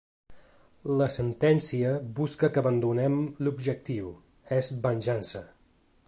La sentència busca que abandonem l’objectiu, és venjança.